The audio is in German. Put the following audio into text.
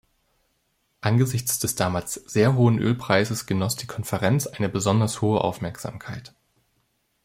Angesichts des damals sehr hohen Ölpreises genoss die Konferenz eine besonders hohe Aufmerksamkeit.